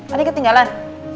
ada yang ketinggalan